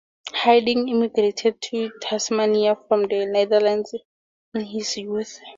Hidding immigrated to Tasmania from the Netherlands in his youth.